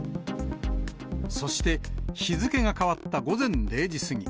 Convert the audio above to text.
そして、日付が変わった午前０時過ぎ。